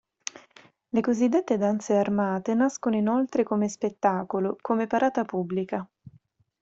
Le cosiddette danze armate nascono inoltre come spettacolo, come "parata" pubblica.